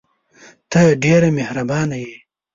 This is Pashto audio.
ته ډېره مهربانه یې !